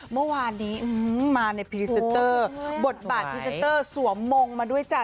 เมื่อวานนี้อืมมาในบทบาทสวมมงค์มาด้วยจ้ะ